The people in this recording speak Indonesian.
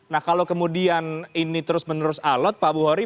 nah kalau kemudian ini terus menerus alot pak buhori